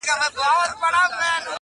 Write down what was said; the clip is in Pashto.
هم په تېښته کي چالاک هم زورور وو؛